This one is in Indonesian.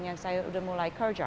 yang saya sudah mulai kerja